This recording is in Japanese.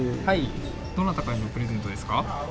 どなたかへのプレゼントです